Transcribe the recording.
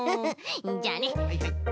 じゃあね。